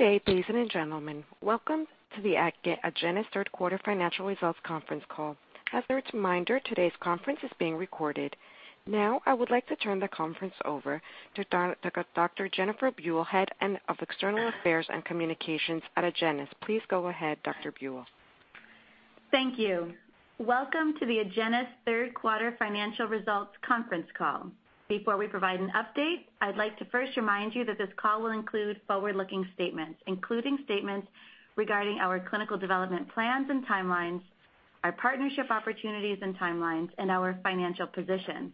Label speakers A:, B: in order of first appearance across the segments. A: Good day, ladies and gentlemen. Welcome to the Agenus Third Quarter Financial Results Conference Call. As a reminder, today's conference is being recorded. I would like to turn the conference over to Dr. Jennifer Buell, Head of External Affairs and Communications at Agenus. Please go ahead, Dr. Buell.
B: Thank you. Welcome to the Agenus Third Quarter Financial Results Conference Call. Before we provide an update, I'd like to first remind you that this call will include forward-looking statements, including statements regarding our clinical development plans and timelines, our partnership opportunities and timelines, and our financial position.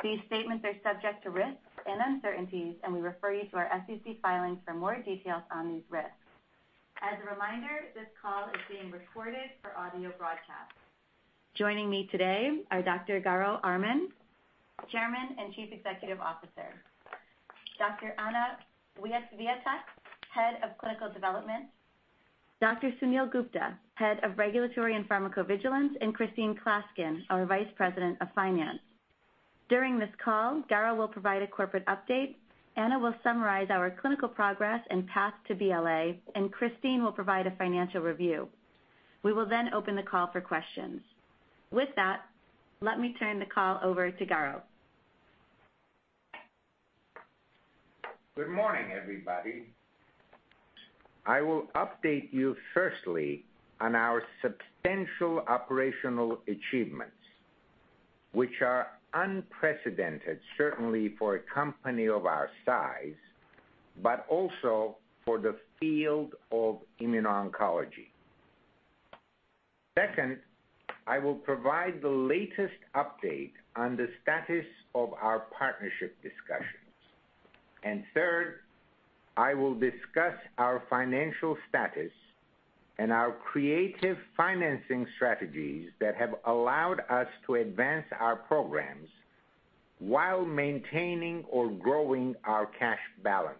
B: These statements are subject to risks and uncertainties. We refer you to our SEC filings for more details on these risks. As a reminder, this call is being recorded for audio broadcast. Joining me today are Dr. Garo Armen, Chairman and Chief Executive Officer, Dr. Anna Wijatyk, Head of Clinical Development, Dr. Sunil Gupta, Head of Regulatory and Pharmacovigilance, and Christine Klaskin, our Vice President of Finance. During this call, Garo will provide a corporate update, Anna will summarize our clinical progress and path to BLA. Christine will provide a financial review. We will open the call for questions. With that, let me turn the call over to Garo.
C: Good morning, everybody. I will update you firstly on our substantial operational achievements, which are unprecedented, certainly for a company of our size, but also for the field of immuno-oncology. Second, I will provide the latest update on the status of our partnership discussions. Third, I will discuss our financial status and our creative financing strategies that have allowed us to advance our programs while maintaining or growing our cash balances.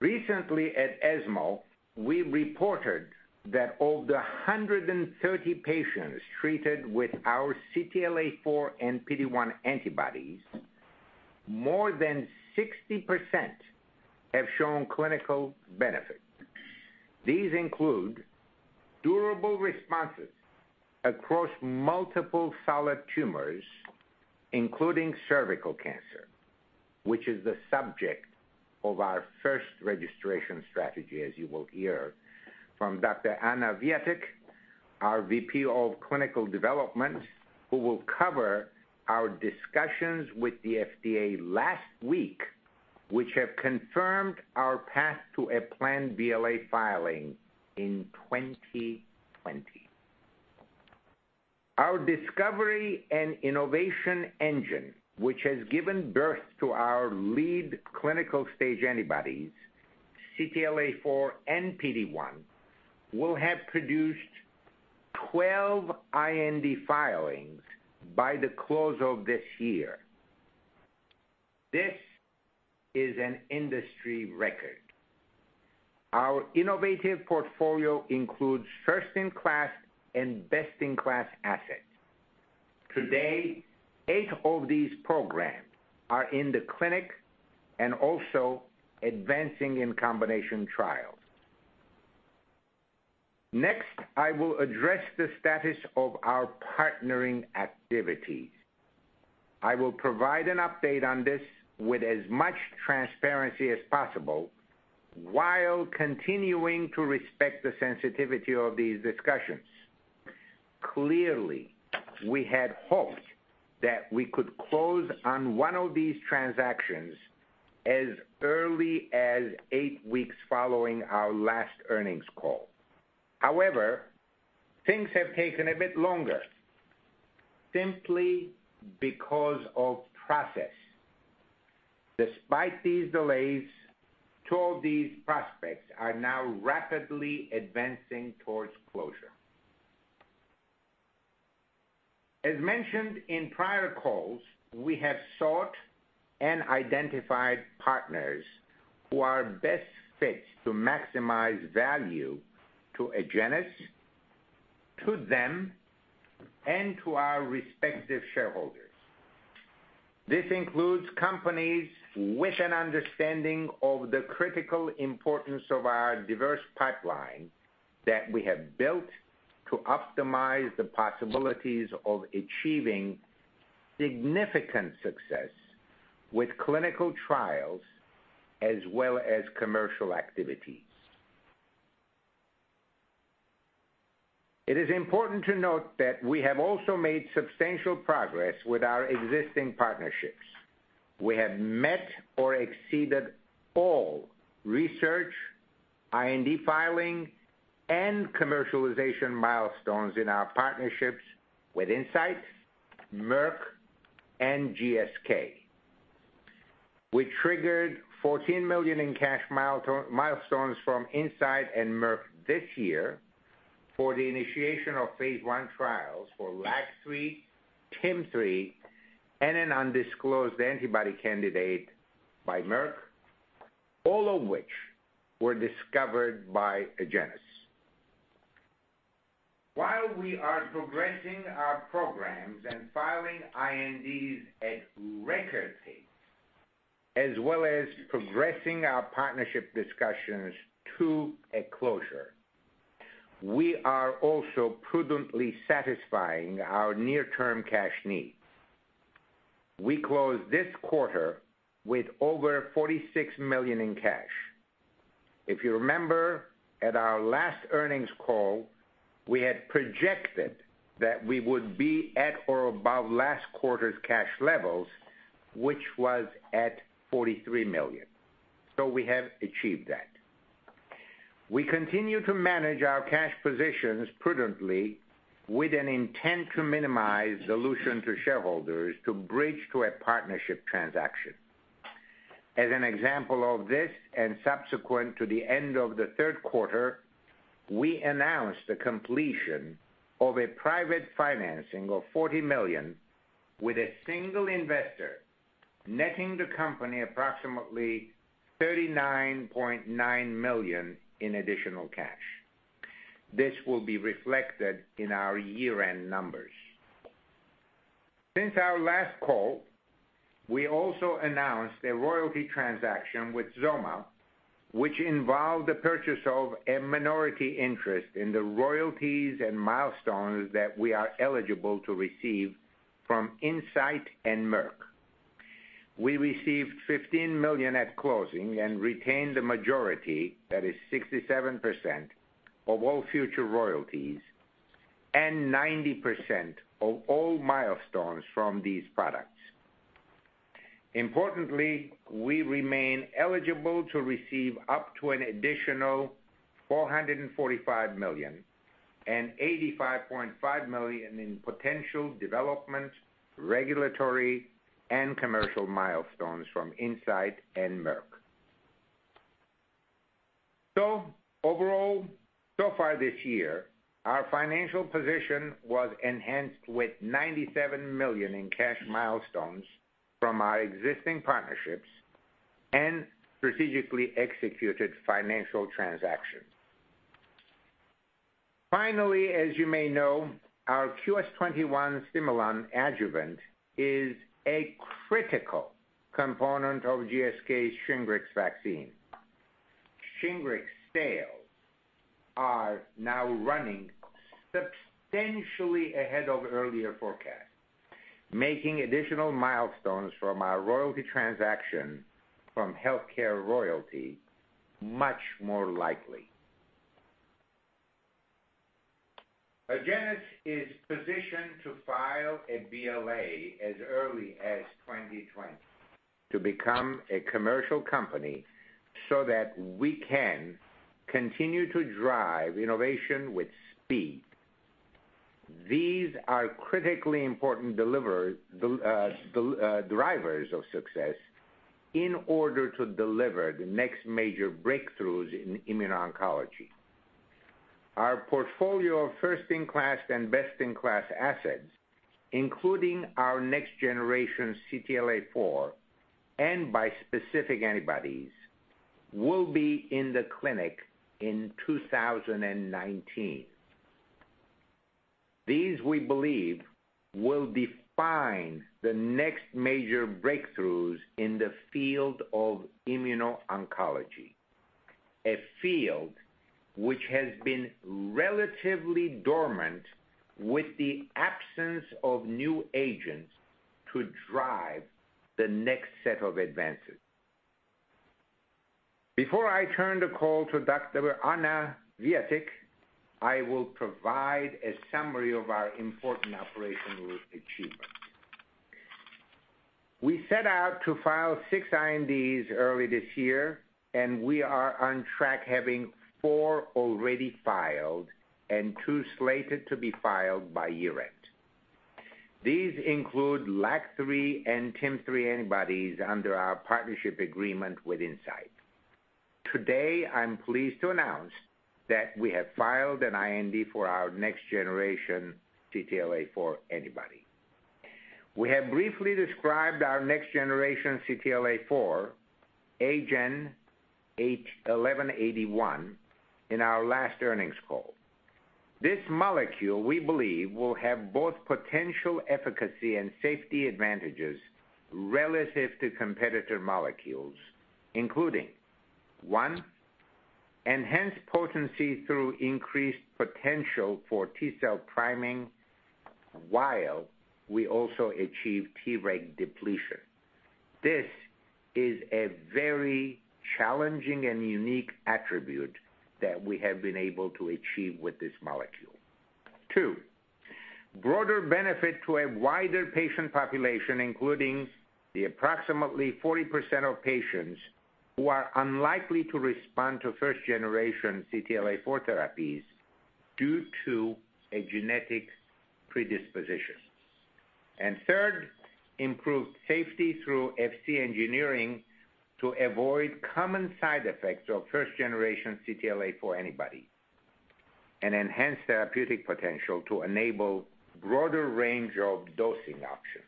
C: Recently at ESMO, we reported that of the 130 patients treated with our CTLA-4 and PD-1 antibodies, more than 60% have shown clinical benefit. These include durable responses across multiple solid tumors, including cervical cancer, which is the subject of our first registration strategy, as you will hear from Dr. Anna Wijatyk, our VP of Clinical Development, who will cover our discussions with the FDA last week, which have confirmed our path to a planned BLA filing in 2020. Our discovery and innovation engine, which has given birth to our lead clinical stage antibodies, CTLA-4 and PD-1, will have produced 12 IND filings by the close of this year. This is an industry record. Our innovative portfolio includes first-in-class and best-in-class assets. Today, eight of these programs are in the clinic and also advancing in combination trials. I will address the status of our partnering activities. I will provide an update on this with as much transparency as possible while continuing to respect the sensitivity of these discussions. Clearly, we had hoped that we could close on one of these transactions as early as eight weeks following our last earnings call. However, things have taken a bit longer simply because of process. Despite these delays, two of these prospects are now rapidly advancing towards closure. As mentioned in prior calls, we have sought and identified partners who are best fit to maximize value to Agenus, to them, and to our respective shareholders. This includes companies with an understanding of the critical importance of our diverse pipeline that we have built to optimize the possibilities of achieving significant success with clinical trials as well as commercial activities. It is important to note that we have also made substantial progress with our existing partnerships. We have met or exceeded all research, IND filing, and commercialization milestones in our partnerships with Incyte, Merck, and GSK. We triggered $14 million in cash milestones from Incyte and Merck this year for the initiation of phase I trials for LAG-3, TIM-3, and an undisclosed antibody candidate by Merck, all of which were discovered by Agenus. While we are progressing our programs and filing INDs at record pace, as well as progressing our partnership discussions to a closure, we are also prudently satisfying our near-term cash needs. We closed this quarter with over $46 million in cash. If you remember, at our last earnings call, we had projected that we would be at or above last quarter's cash levels, which was at $43 million. We have achieved that. We continue to manage our cash positions prudently with an intent to minimize dilution to shareholders to bridge to a partnership transaction. As an example of this, and subsequent to the end of the third quarter, we announced the completion of a private financing of $40 million with a single investor, netting the company approximately $39.9 million in additional cash. This will be reflected in our year-end numbers. Since our last call, we also announced a royalty transaction with Xoma, which involved the purchase of a minority interest in the royalties and milestones that we are eligible to receive from Incyte and Merck. We received $15 million at closing and retained the majority, that is 67%, of all future royalties and 90% of all milestones from these products. Importantly, we remain eligible to receive up to an additional $445 million and $85.5 million in potential development, regulatory, and commercial milestones from Incyte and Merck. Overall, so far this year, our financial position was enhanced with $97 million in cash milestones from our existing partnerships and strategically executed financial transactions. Finally, as you may know, our QS-21 Stimulon adjuvant is a critical component of GSK's SHINGRIX vaccine. SHINGRIX sales are now running substantially ahead of earlier forecasts, making additional milestones from our royalty transaction from HealthCare Royalty much more likely. Agenus is positioned to file a BLA as early as 2020 to become a commercial company so that we can continue to drive innovation with speed. These are critically important drivers of success in order to deliver the next major breakthroughs in immuno-oncology. Our portfolio of first-in-class and best-in-class assets, including our next generation CTLA-4 and bispecific antibodies, will be in the clinic in 2019. These, we believe, will define the next major breakthroughs in the field of immuno-oncology, a field which has been relatively dormant with the absence of new agents to drive the next set of advances. Before I turn the call to Dr. Anna Wijatyk, I will provide a summary of our important operational achievements. We set out to file six INDs early this year, and we are on track having four already filed and two slated to be filed by year-end. These include LAG-3 and TIM-3 antibodies under our partnership agreement with Incyte. Today, I am pleased to announce that we have filed an IND for our next generation CTLA-4 antibody. We have briefly described our next generation CTLA-4, AGEN1181, in our last earnings call. This molecule, we believe, will have both potential efficacy and safety advantages relative to competitor molecules, including, one, enhanced potency through increased potential for T cell priming, while we also achieve Treg depletion. This is a very challenging and unique attribute that we have been able to achieve with this molecule. Two, broader benefit to a wider patient population, including the approximately 40% of patients who are unlikely to respond to first generation CTLA-4 therapies due to a genetic predisposition. And third, improved safety through Fc engineering to avoid common side effects of first generation CTLA-4 antibody, and enhance therapeutic potential to enable broader range of dosing options.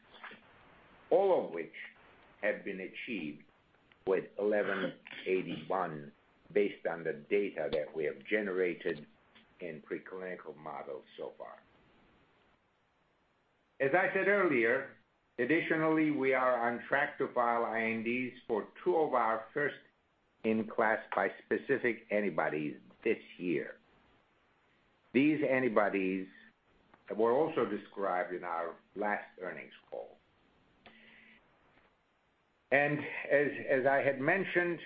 C: All of which have been achieved with 1181 based on the data that we have generated in preclinical models so far. Additionally, we are on track to file INDs for two of our first-in-class bispecific antibodies this year. These antibodies were also described in our last earnings call. As I had mentioned,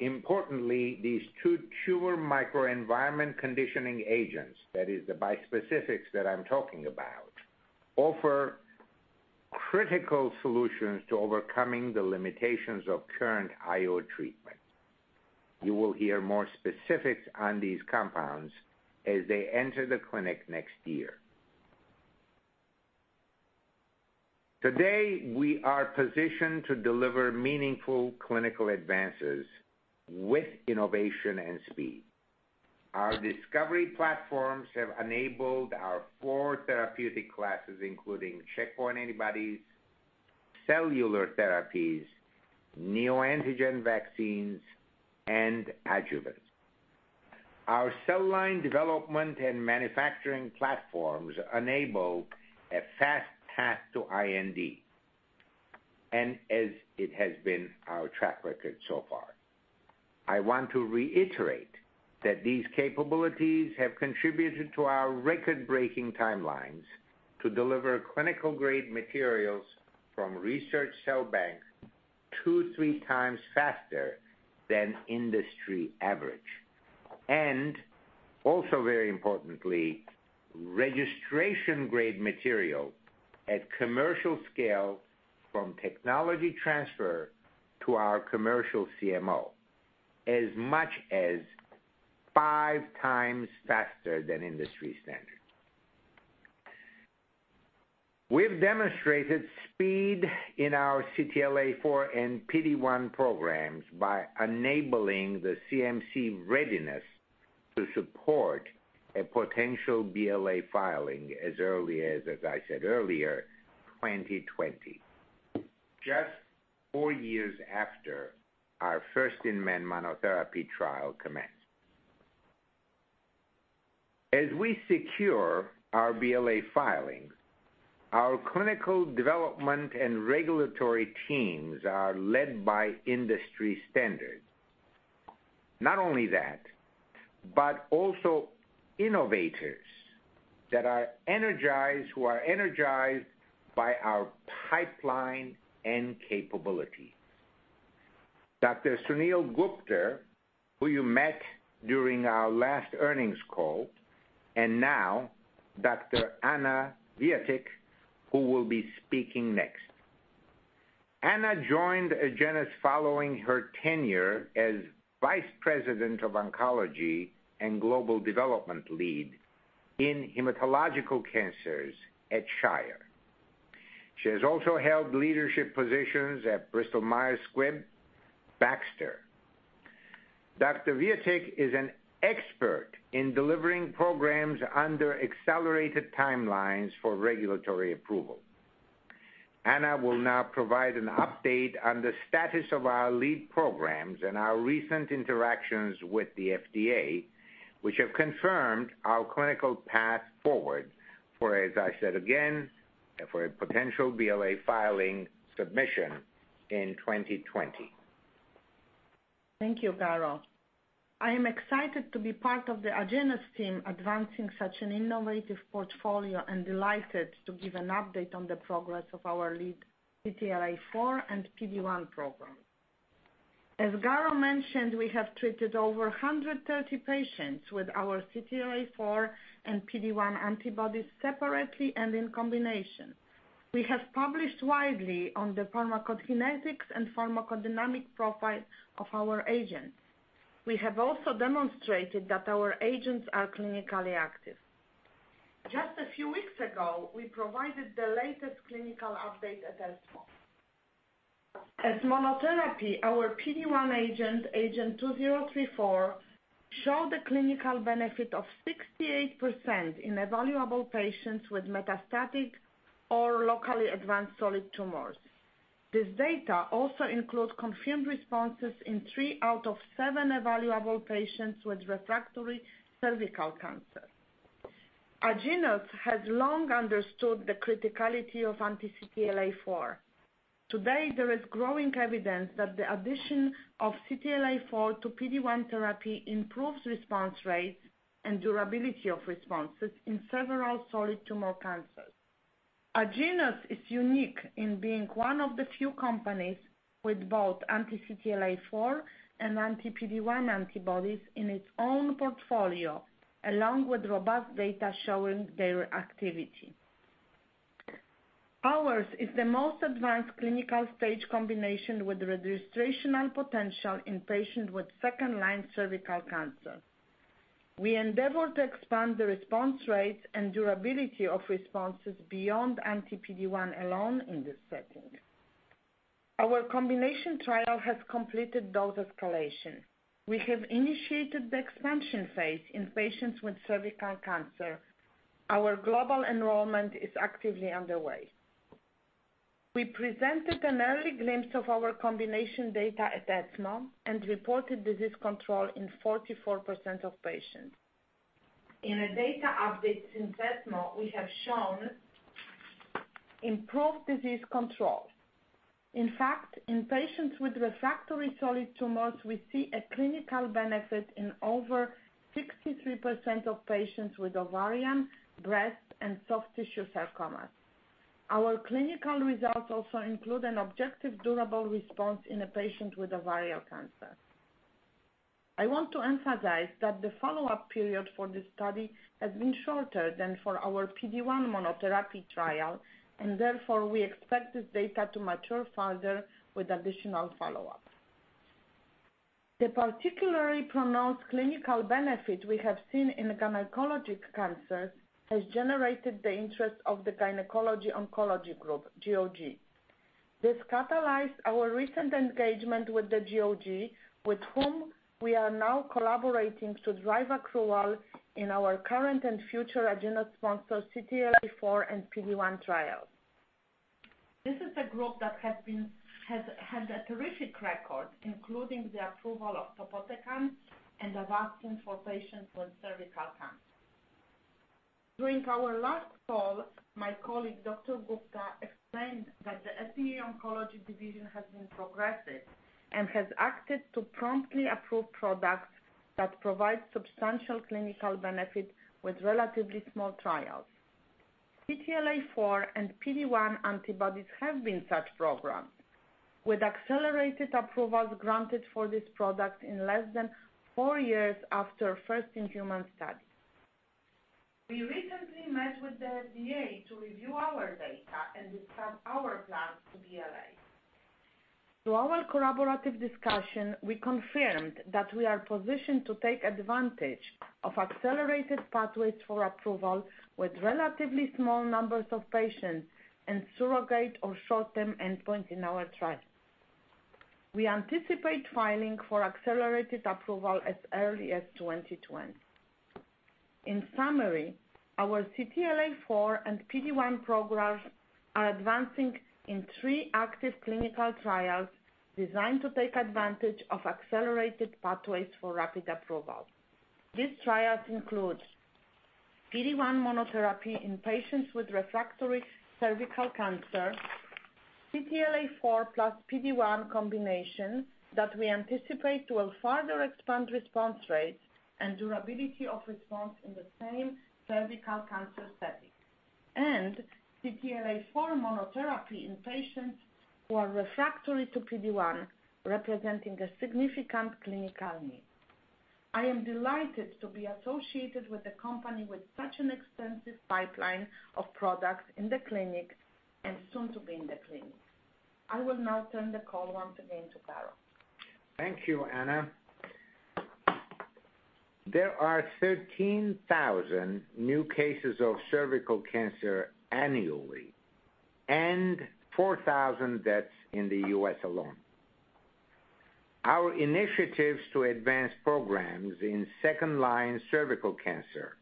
C: importantly, these two tumor microenvironment conditioning agents, that is the bispecifics that I am talking about, offer critical solutions to overcoming the limitations of current IO treatment. You will hear more specifics on these compounds as they enter the clinic next year. Today, we are positioned to deliver meaningful clinical advances with innovation and speed. Our discovery platforms have enabled our four therapeutic classes, including checkpoint antibodies, cellular therapies, neoantigen vaccines, and adjuvants. Our cell line development and manufacturing platforms enable a fast path to IND, and as it has been our track record so far. I want to reiterate that these capabilities have contributed to our record-breaking timelines to deliver clinical-grade materials from research cell banks two to three times faster than industry average. Also very importantly, registration grade material at commercial scale from technology transfer to our commercial CMO as much as five times faster than industry standard. We've demonstrated speed in our CTLA-4 and PD-1 programs by enabling the CMC readiness to support a potential BLA filing as early as I said earlier, 2020. Just four years after our first-in-men monotherapy trial commenced. As we secure our BLA filings, our clinical development and regulatory teams are led by industry standards. Not only that, also innovators that are energized, who are energized by our pipeline and capability. Dr. Sunil Gupta, who you met during our last earnings call, and now Dr. Anna Wijatyk, who will be speaking next. Anna joined Agenus following her tenure as Vice President of Oncology and Global Development Lead in hematological cancers at Shire. She has also held leadership positions at Bristol Myers Squibb, Baxter. Dr. Wijatyk is an expert in delivering programs under accelerated timelines for regulatory approval. Anna will now provide an update on the status of our lead programs and our recent interactions with the FDA, which have confirmed our clinical path forward for, as I said again, for a potential BLA filing submission in 2020.
D: Thank you, Garo. I am excited to be part of the Agenus team advancing such an innovative portfolio and delighted to give an update on the progress of our lead CTLA-4 and PD-1 program. As Garo mentioned, we have treated over 130 patients with our CTLA-4 and PD-1 antibodies separately and in combination. We have published widely on the pharmacokinetics and pharmacodynamic profile of our agents. We have also demonstrated that our agents are clinically active. Just a few weeks ago, we provided the latest clinical update at ESMO. As monotherapy, our PD-1 agent, AGEN2034, showed a clinical benefit of 68% in evaluable patients with metastatic or locally advanced solid tumors. This data also includes confirmed responses in three out of seven evaluable patients with refractory cervical cancer. Agenus has long understood the criticality of anti-CTLA-4. Today, there is growing evidence that the addition of CTLA-4 to PD-1 therapy improves response rates and durability of responses in several solid tumor cancers. Agenus is unique in being one of the few companies with both anti-CTLA-4 and anti-PD-1 antibodies in its own portfolio, along with robust data showing their activity. Ours is the most advanced clinical stage combination with registrational potential in patients with second-line cervical cancer. We endeavor to expand the response rates and durability of responses beyond anti-PD-1 alone in this setting. Our combination trial has completed dose escalation. We have initiated the expansion phase in patients with cervical cancer. Our global enrollment is actively underway. We presented an early glimpse of our combination data at ESMO and reported disease control in 44% of patients. In a data update since ESMO, we have shown improved disease control. In fact, in patients with refractory solid tumors, we see a clinical benefit in over 63% of patients with ovarian, breast, and soft tissue sarcomas. Our clinical results also include an objective durable response in a patient with ovarian cancer. I want to emphasize that the follow-up period for this study has been shorter than for our PD-1 monotherapy trial, and therefore, we expect this data to mature further with additional follow-up. The particularly pronounced clinical benefit we have seen in gynecologic cancers has generated the interest of the Gynecologic Oncology Group, GOG. This catalyzed our recent engagement with the GOG, with whom we are now collaborating to drive accrual in our current and future Agenus-sponsored CTLA-4 and PD-1 trials. This is a group that has had a terrific record, including the approval of topotecan and Avastin for patients with cervical cancer. During our last call, my colleague, Dr. Gupta, explained that the FDA oncology division has been progressive and has acted to promptly approve products that provide substantial clinical benefit with relatively small trials. CTLA-4 and PD-1 antibodies have been such programs, with accelerated approvals granted for this product in less than four years after first in-human studies. We recently met with the FDA to review our data and discuss our plans to the BLA. Through our collaborative discussion, we confirmed that we are positioned to take advantage of accelerated pathways for approval with relatively small numbers of patients and surrogate or short-term endpoint in our trials. We anticipate filing for accelerated approval as early as 2020. In summary, our CTLA-4 and PD-1 programs are advancing in three active clinical trials designed to take advantage of accelerated pathways for rapid approval. These trials include PD-1 monotherapy in patients with refractory cervical cancer, CTLA-4 plus PD-1 combination that we anticipate will further expand response rates and durability of response in the same cervical cancer setting, and CTLA-4 monotherapy in patients who are refractory to PD-1, representing a significant clinical need. I am delighted to be associated with a company with such an extensive pipeline of products in the clinic and soon to be in the clinic. I will now turn the call once again to Garo.
C: Thank you, Anna. There are 13,000 new cases of cervical cancer annually and 4,000 deaths in the U.S. alone. Our initiatives to advance programs in second-line cervical cancer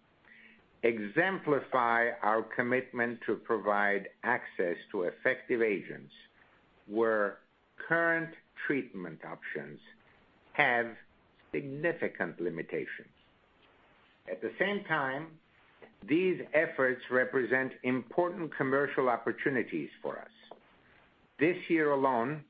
C: exemplify our commitment to provide access to effective agents, where current treatment options have significant limitations. At the same time, these efforts represent important commercial opportunities for us. This year alone,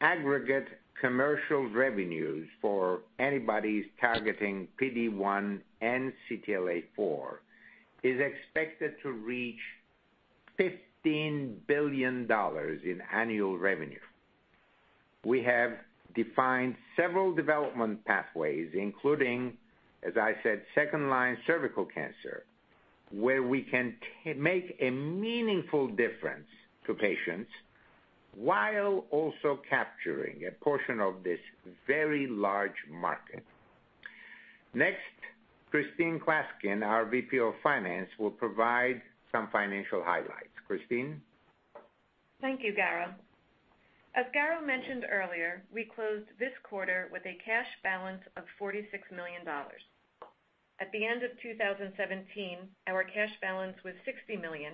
C: aggregate commercial revenues for antibodies targeting PD-1 and CTLA-4 is expected to reach $15 billion in annual revenue. We have defined several development pathways, including, as I said, second-line cervical cancer, where we can make a meaningful difference to patients while also capturing a portion of this very large market. Next, Christine Klaskin, our VP of finance, will provide some financial highlights. Christine?
E: Thank you, Garo. As Garo mentioned earlier, we closed this quarter with a cash balance of $46 million. At the end of 2017, our cash balance was $60 million,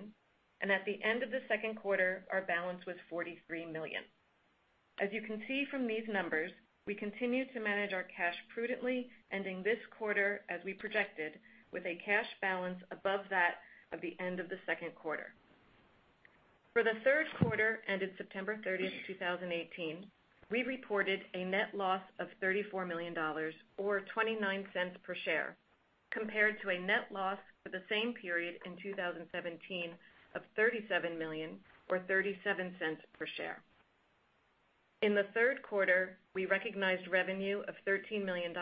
E: and at the end of the second quarter, our balance was $43 million. As you can see from these numbers, we continue to manage our cash prudently, ending this quarter as we projected, with a cash balance above that of the end of the second quarter. For the third quarter ended September 30, 2018, we reported a net loss of $34 million or $0.29 per share, compared to a net loss for the same period in 2017 of $37 million or $0.37 per share. In the third quarter, we recognized revenue of $13 million,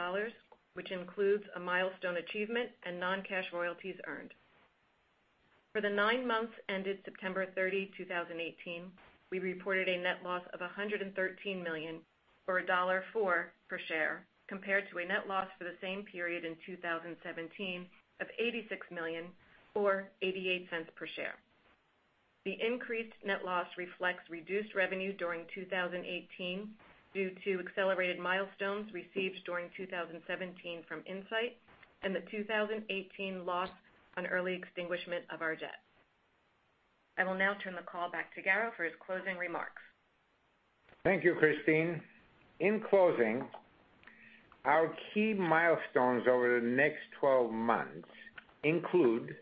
E: which includes a milestone achievement and non-cash royalties earned. For the nine months ended September 30, 2018, we reported a net loss of $113 million or $1.4 per share, compared to a net loss for the same period in 2017 of $86 million or $0.88 per share. The increased net loss reflects reduced revenue during 2018 due to accelerated milestones received during 2017 from Incyte and the 2018 loss on early extinguishment of our debt. I will now turn the call back to Garo for his closing remarks.
C: Thank you, Christine. In closing, our key milestones over the next 12 months include,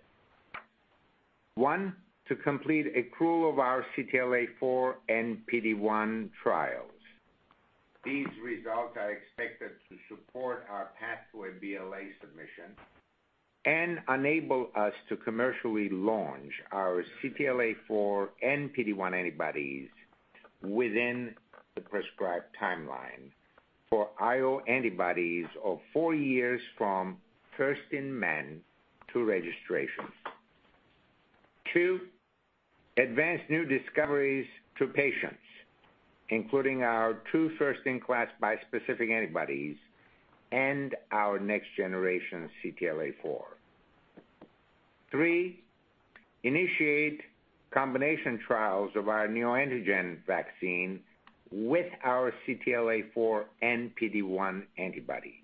C: one, to complete accrual of our CTLA-4 and PD-1 trials. These results are expected to support our pathway BLA submission and enable us to commercially launch our CTLA-4 and PD-1 antibodies within the prescribed timeline for IO antibodies of four years from first in men to registration. Two, advance new discoveries to patients, including our two first-in-class bispecific antibodies and our next generation CTLA-4. Three, initiate combination trials of our neoantigen vaccine with our CTLA-4 and PD-1 antibody.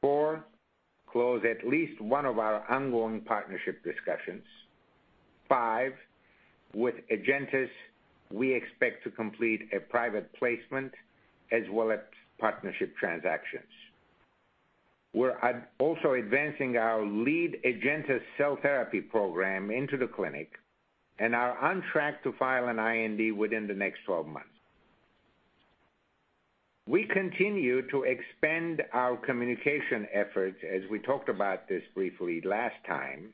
C: Four, close at least one of our ongoing partnership discussions. Five, with AgenTIS, we expect to complete a private placement as well as partnership transactions. We're also advancing our lead AgenTIS cell therapy program into the clinic and are on track to file an IND within the next 12 months. We continue to expand our communication efforts, as we talked about this briefly last time,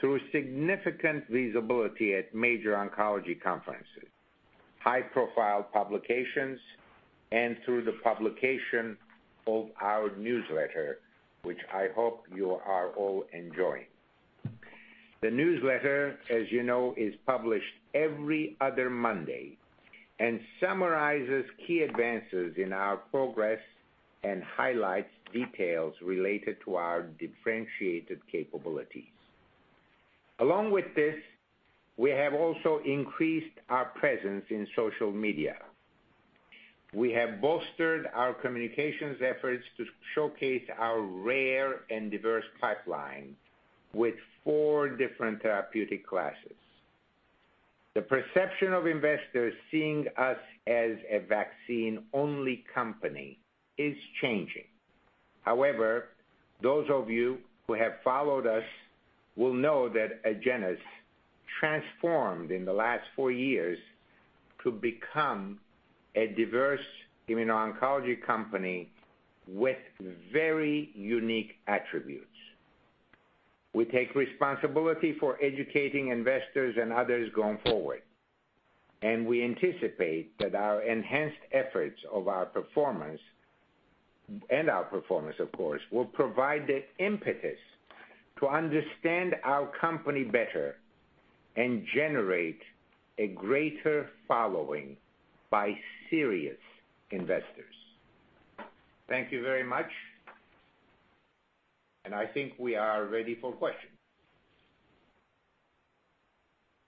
C: through significant visibility at major oncology conferences, high-profile publications, and through the publication of our newsletter, which I hope you are all enjoying. The newsletter, as you know, is published every other Monday and summarizes key advances in our progress and highlights details related to our differentiated capabilities. Along with this, we have also increased our presence in social media. We have bolstered our communications efforts to showcase our rare and diverse pipeline with four different therapeutic classes. The perception of investors seeing us as a vaccine-only company is changing. However, those of you who have followed us will know that Agenus transformed in the last four years to become a diverse immuno-oncology company with very unique attributes. We take responsibility for educating investors and others going forward. We anticipate that our enhanced efforts of our performance and our performance, of course, will provide the impetus to understand our company better and generate a greater following by serious investors. Thank you very much. I think we are ready for questions.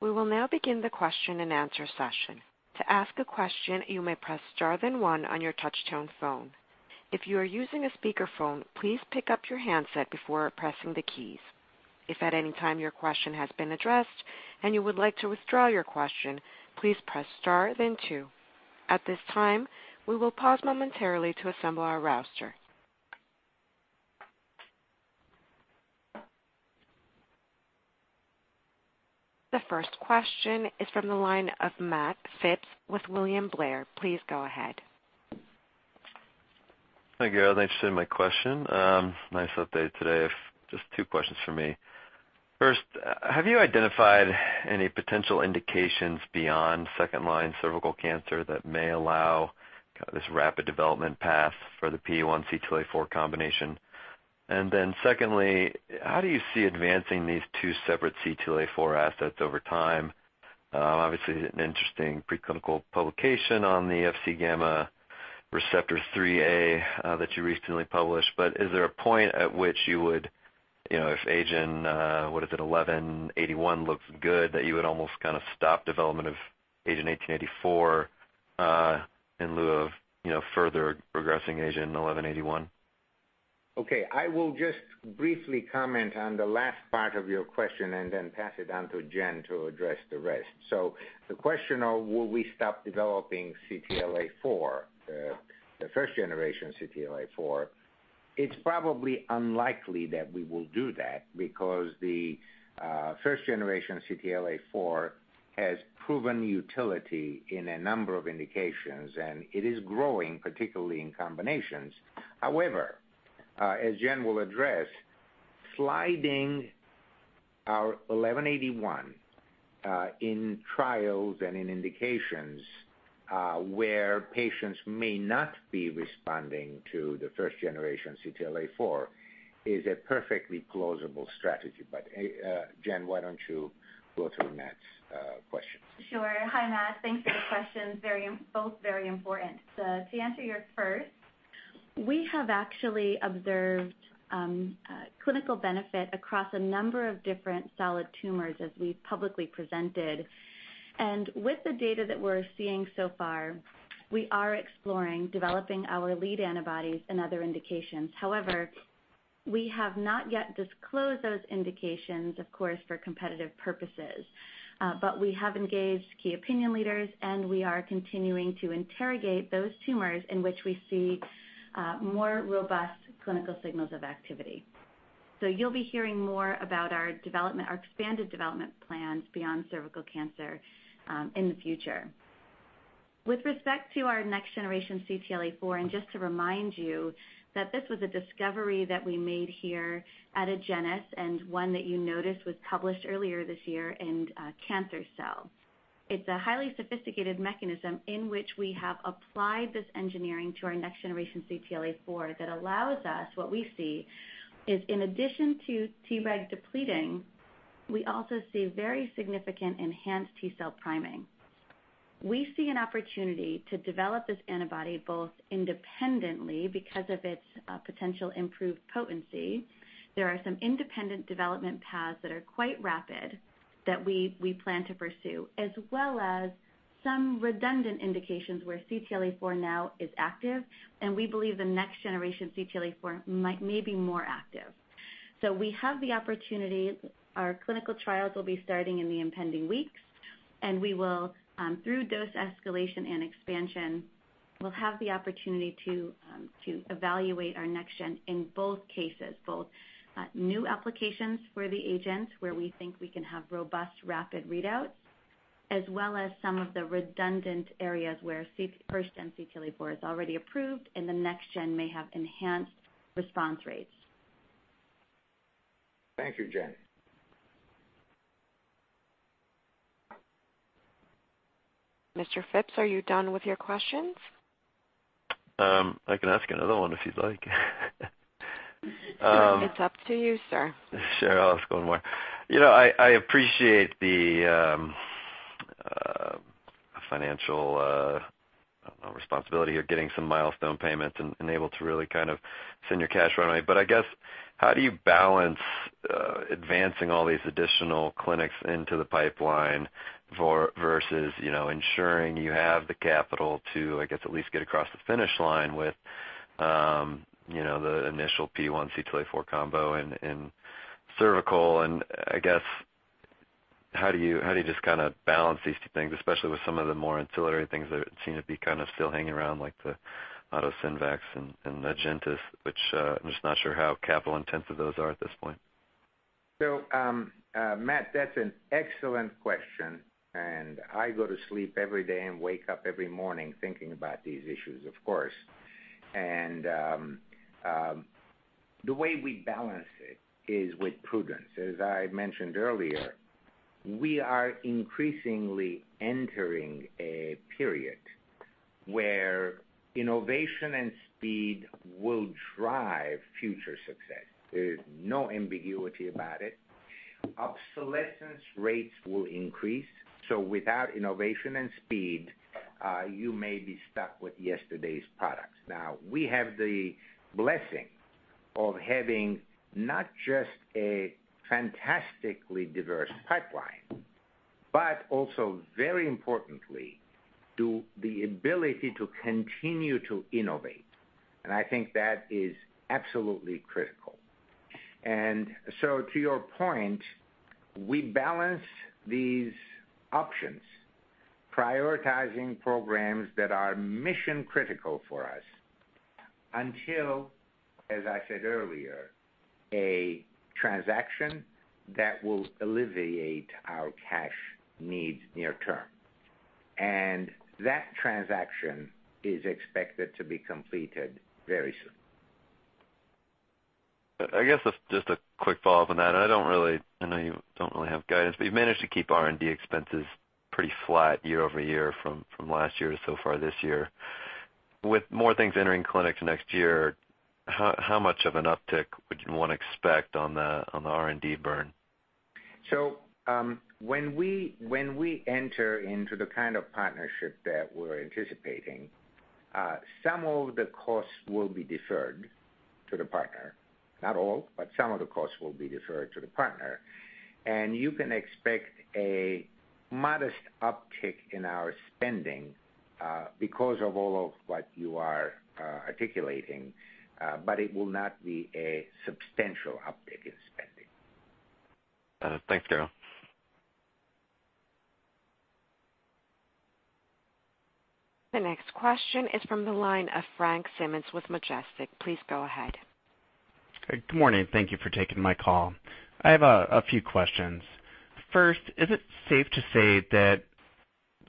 A: We will now begin the question and answer session. To ask a question, you may press star then one on your touch-tone phone. If you are using a speakerphone, please pick up your handset before pressing the keys. If at any time your question has been addressed and you would like to withdraw your question, please press star then two. At this time, we will pause momentarily to assemble our roster. The first question is from the line of Matt Phipps with William Blair. Please go ahead.
F: Hi, Garo. Thanks for my question. Nice update today. Just two questions for me. First, have you identified any potential indications beyond second-line cervical cancer that may allow this rapid development path for the PD-1 CTLA-4 combination? Secondly, how do you see advancing these two separate CTLA-4 assets over time? Obviously, an interesting preclinical publication on the Fc gamma receptor IIIa that you recently published. Is there a point at which you would, if AGEN1181 looks good, that you would almost stop development of AGEN1884 in lieu of further progressing AGEN1181?
C: I will just briefly comment on the last part of your question and then pass it on to Jen to address the rest. The question of will we stop developing CTLA-4, the first generation CTLA-4, it's probably unlikely that we will do that because the first generation CTLA-4 has proven utility in a number of indications, and it is growing, particularly in combinations. However, as Jen will address, sliding our 1181 in trials and in indications where patients may not be responding to the first generation CTLA-4 is a perfectly plausible strategy. Jen, why don't you go through Matt's questions?
B: Sure. Hi, Matt. Thanks for the questions. Both very important. To answer your first. We have actually observed clinical benefit across a number of different solid tumors as we've publicly presented. With the data that we're seeing so far, we are exploring developing our lead antibodies and other indications. However, we have not yet disclosed those indications, of course, for competitive purposes. We have engaged key opinion leaders, and we are continuing to interrogate those tumors in which we see more robust clinical signals of activity. You'll be hearing more about our expanded development plans beyond cervical cancer in the future. With respect to our next generation CTLA-4, and just to remind you that this was a discovery that we made here at Agenus, and one that you noticed was published earlier this year in "Cancer Cell." It's a highly sophisticated mechanism in which we have applied this engineering to our next generation CTLA-4 that allows us, what we see, is in addition to Treg depleting, we also see very significant enhanced T cell priming. We see an opportunity to develop this antibody both independently because of its potential improved potency. There are some independent development paths that are quite rapid that we plan to pursue, as well as some redundant indications where CTLA-4 now is active, and we believe the next generation CTLA-4 may be more active. We have the opportunity. Our clinical trials will be starting in the impending weeks, and through dose escalation and expansion, we'll have the opportunity to evaluate our next gen in both cases, both new applications for the agent, where we think we can have robust, rapid readouts, as well as some of the redundant areas where first gen CTLA-4 is already approved and the next gen may have enhanced response rates.
C: Thank you, Jen.
A: Mr. Phipps, are you done with your questions?
F: I can ask another one if you'd like.
A: It's up to you, sir.
F: Sure. I'll ask one more. I appreciate the financial responsibility of getting some milestone payments and able to really kind of extend your cash runway. I guess how do you balance advancing all these additional clinics into the pipeline versus ensuring you have the capital to, I guess, at least get across the finish line with the initial phase I CTLA-4 combo in cervical. I guess how do you just kind of balance these two things, especially with some of the more ancillary things that seem to be kind of still hanging around, like the AutoSynVax and the AgenTIS which I'm just not sure how capital intensive those are at this point.
C: Matt, that's an excellent question, and I go to sleep every day and wake up every morning thinking about these issues, of course. The way we balance it is with prudence. As I mentioned earlier, we are increasingly entering a period where innovation and speed will drive future success. There's no ambiguity about it. Obsolescence rates will increase, so without innovation and speed, you may be stuck with yesterday's products. Now, we have the blessing of having not just a fantastically diverse pipeline, but also very importantly, to the ability to continue to innovate. I think that is absolutely critical. To your point, we balance these options, prioritizing programs that are mission critical for us until, as I said earlier, a transaction that will alleviate our cash needs near term. That transaction is expected to be completed very soon.
F: I guess just a quick follow-up on that, and I know you don't really have guidance, but you've managed to keep R&D expenses pretty flat year-over-year from last year to so far this year. With more things entering clinics next year, how much of an uptick would one expect on the R&D burn?
C: When we enter into the kind of partnership that we're anticipating, some of the costs will be deferred to the partner, not all, but some of the costs will be deferred to the partner. You can expect a modest uptick in our spending because of all of what you are articulating. It will not be a substantial uptick in spending.
F: Thanks, Garo.
A: The next question is from the line of Frank Simmons with Majestic. Please go ahead.
G: Good morning. Thank you for taking my call. I have a few questions. First, is it safe to say that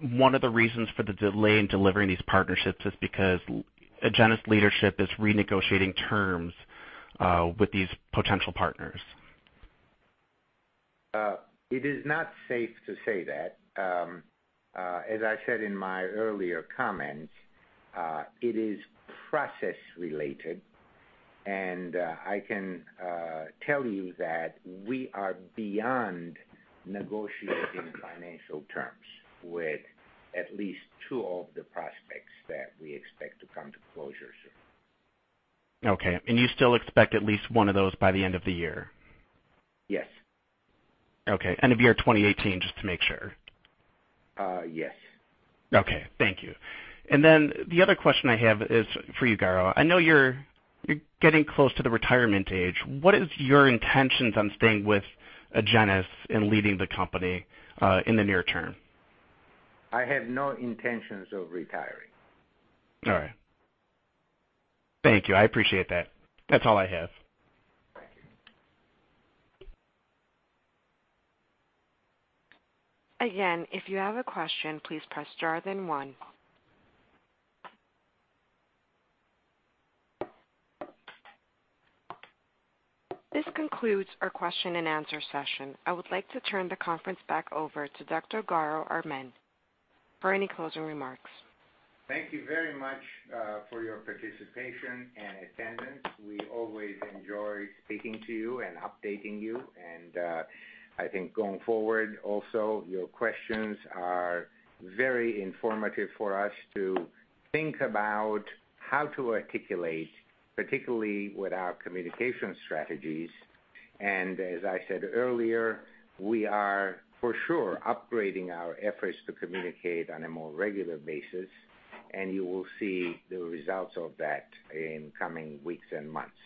G: one of the reasons for the delay in delivering these partnerships is because Agenus leadership is renegotiating terms with these potential partners?
C: It is not safe to say that. As I said in my earlier comments, it is process related. I can tell you that we are beyond negotiating financial terms with at least two of the prospects that we expect to come to closure soon.
G: Okay. You still expect at least one of those by the end of the year?
C: Yes.
G: Okay. End of year 2018, just to make sure.
C: Yes.
G: Okay. Thank you. The other question I have is for you, Garo. I know you're getting close to the retirement age. What is your intentions on staying with Agenus and leading the company in the near term?
C: I have no intentions of retiring.
G: All right. Thank you. I appreciate that. That's all I have.
C: Thank you.
A: Again, if you have a question, please press star then one. This concludes our question and answer session. I would like to turn the conference back over to Dr. Garo Armen for any closing remarks.
C: Thank you very much for your participation and attendance. We always enjoy speaking to you and updating you. I think going forward also, your questions are very informative for us to think about how to articulate, particularly with our communication strategies. As I said earlier, we are for sure upgrading our efforts to communicate on a more regular basis, and you will see the results of that in coming weeks and months.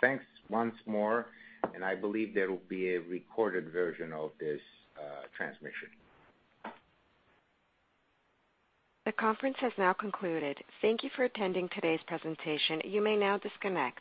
C: Thanks once more, and I believe there will be a recorded version of this transmission.
A: The conference has now concluded. Thank you for attending today's presentation. You may now disconnect.